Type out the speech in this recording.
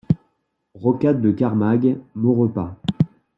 Rocade de Camargue, Maurepas